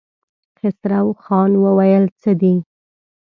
خسرو خان وويل: څه دي؟